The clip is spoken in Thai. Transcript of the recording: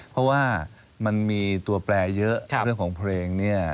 เพราะว่ามันมีตัวแปลเยอะเรื่องของเพลงเนี่ย